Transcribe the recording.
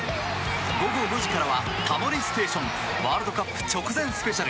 午後５時からは「タモリステーションワールドカップ直前ＳＰ」。